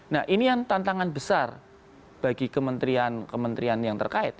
nah ini yang tantangan besar bagi kementerian kementerian yang terkait